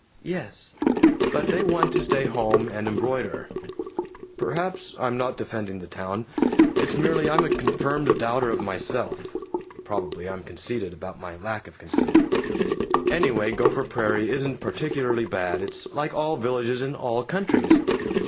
("Yes!) But they want to stay home and embroider." "Perhaps. I'm not defending the town. It's merely I'm a confirmed doubter of myself. (Probably I'm conceited about my lack of conceit!) Anyway, Gopher Prairie isn't particularly bad. It's like all villages in all countries.